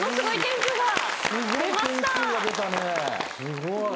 ・すごい。